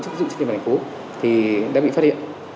nhiều các tổ chức dụng trên thành phố đã bị phát hiện